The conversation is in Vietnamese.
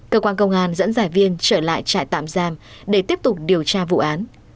công an dẫn giải viên trở lại trại tạm giam để tiếp tục điều tra vụ án